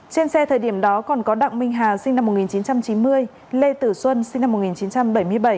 trên xe thời điểm đó còn có đặng minh hà sinh năm một nghìn chín trăm chín mươi lê tử xuân sinh năm một nghìn chín trăm bảy mươi bảy